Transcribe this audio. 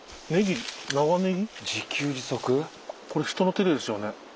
これ人の手でですよね。